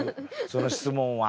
その質問は。